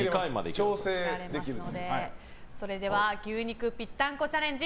それでは牛肉ぴったんこチャレンジ